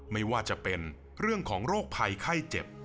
ไม่ว่าจะเป็นเรื่องของโรคภัยไข้เจ็บ